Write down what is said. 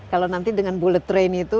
kalau nanti dengan bullet train itu